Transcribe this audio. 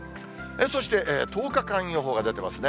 そして、１０日間予報が出てますね。